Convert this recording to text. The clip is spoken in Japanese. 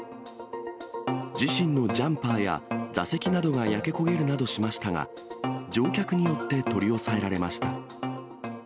自身のジャンパーや座席などが焼け焦げるなどしましたが、乗客によって取り押さえられました。